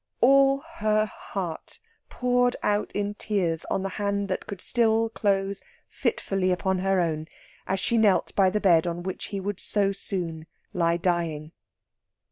All her heart poured out in tears on the hand that could still close fitfully upon her own as she knelt by the bed on which he would so soon lie dying.